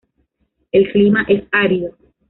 El clima es árido.